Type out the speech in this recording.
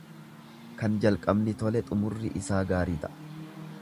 Kan jalqabni tole xumurri isaa gaarii ta'a.